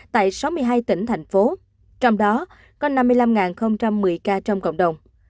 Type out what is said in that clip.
tại sáu mươi hai tỉnh thành phố trong đó có năm mươi năm một mươi ca trong cộng đồng